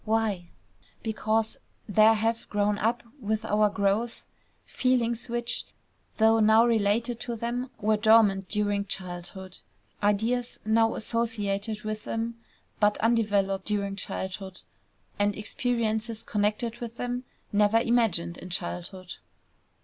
Why? Because there have grown up with our growth feelings which, though now related to them, were dormant during childhood; ideas now associated with them, but undeveloped during childhood; and experiences connected with them, never imagined in childhood.